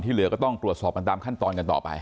เหลือก็ต้องตรวจสอบกันตามขั้นตอนกันต่อไป